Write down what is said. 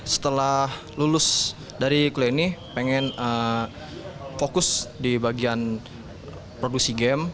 setelah lulus dari kuliah ini pengen fokus di bagian produksi game